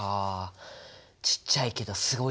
ちっちゃいけどすごいやつ。